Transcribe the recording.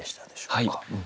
はい。